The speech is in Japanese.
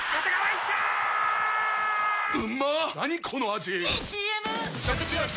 ⁉いいＣＭ！！